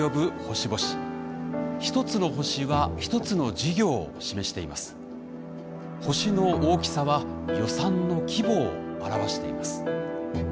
星の大きさは予算の規模を表しています。